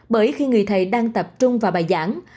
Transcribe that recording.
bởi khi người thầy đang tập trung vào bài giảng